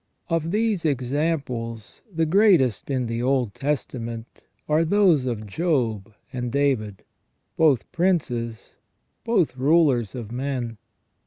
Of these examples the greatest in the Old Tes tament are those of Job and David, both princes, both rulers of men.